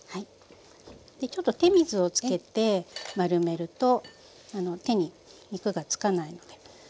ちょっと手水をつけて丸めると手に肉がつかないので。